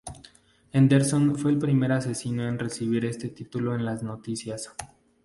Anderson fue el primer asesino en recibir este título en las noticias.